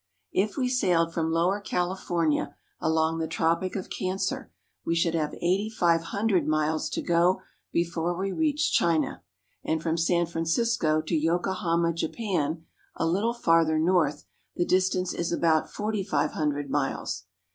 If we sailed from Lower California along the Tropic of Cancer, we should have eighty five hundred miles to go before we reached China; and from San Francisco to Yokohama, Japan, a little farther north, the distance is about forty five hundred miles.